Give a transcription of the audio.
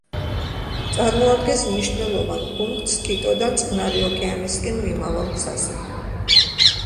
წარმოადგენს მნიშვნელოვან პუნქტს კიტოდან წყნარი ოკეანისკენ მიმავალ გზაზე.